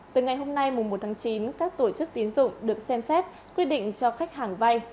từ ngày hôm nay một tháng chín các tổ chức tiến dụng được xem xét quyết định cho khách hàng vay